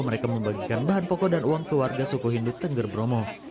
mereka membagikan bahan pokok dan uang ke warga suku hindu tengger bromo